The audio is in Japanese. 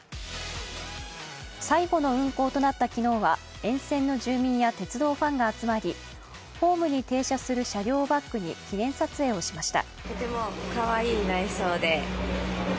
最後の運行となった昨日は沿線の住民や鉄道ファンが集まり、ホームに停車する車両をバックに記念撮影をしました。